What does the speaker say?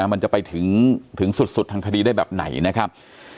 มันจะไปถึงสุดทางคดีได้แบบไหนนะครับ